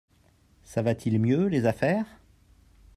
ça va t'il mieux, les affaires?